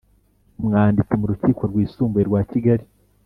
Umwanditsi mu Rukiko Rwisumbuye rwa Kigali